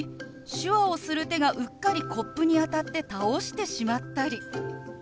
手話をする手がうっかりコップに当たって倒してしまったり。